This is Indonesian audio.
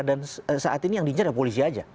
dan saat ini yang diincerah polisi aja